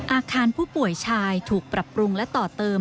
อาคารผู้ป่วยชายถูกปรับปรุงและต่อเติม